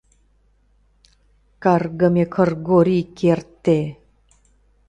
— Каргыме Кыргорий керте!